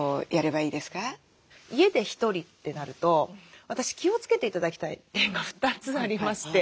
家で１人ってなると私気をつけて頂きたい点が２つありまして